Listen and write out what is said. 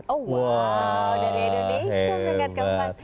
oh wow dari indonesia beringkat ke empat